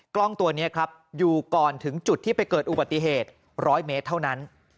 กล้องตัวนี้ครับอยู่ก่อนถึงจุดที่ไปเกิดอุบัติเหตุ๑๐๐เมตรเท่านั้น